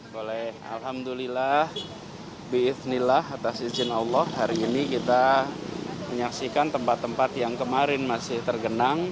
boleh alhamdulillah bi isnillah atas izin allah hari ini kita menyaksikan tempat tempat yang kemarin masih tergenang